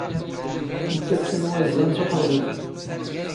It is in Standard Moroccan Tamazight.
ⵉⴽⴽⴰ ⵜⵜ ⵉⵏⵏ ⵡⴰⵣⵣⴰⵏ ⵙ ⵓⵃⵕⴹⵉⴹ.